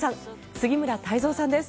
杉村太蔵さんです。